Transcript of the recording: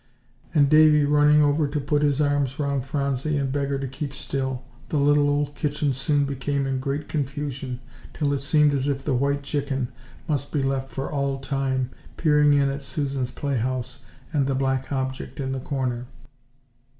And Davie running over to put his arms around Phronsie and beg her to keep still, the little old kitchen soon became in great confusion till it seemed as if the white chicken must be left for all time, peering in at Susan's playhouse and the black object in the corner.